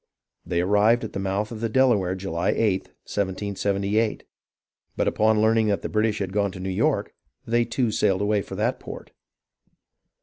They arrived at the mouth of the Delaware July 8th, 1778 ; but upon learning that the British had gone to New York, they too sailed away for that port.